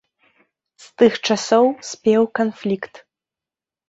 З тых часоў спеў канфлікт.